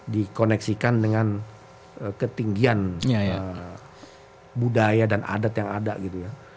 dikoneksikan dengan ketinggian budaya dan adat yang ada gitu ya